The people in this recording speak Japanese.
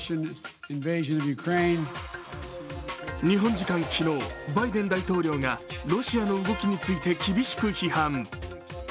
日本時間昨日、バイデン大統領がロシアの動きについて厳しく批判。